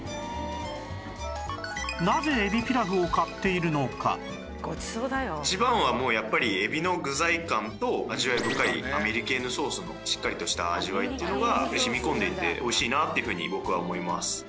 そこから「ごちそうだよ」一番はもうやっぱりえびの具材感と味わい深いアメリケーヌソースのしっかりとした味わいっていうのが染み込んでいて美味しいなっていうふうに僕は思います。